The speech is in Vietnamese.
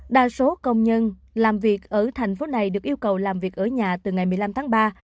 đa số công nhân làm việc ở thành phố này được yêu cầu làm việc ở nhà từ ngày một mươi năm tháng ba